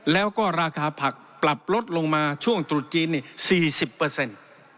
แล้วก็ราคาผักปรับลดลงมาช่วงตรุดชีน๔๐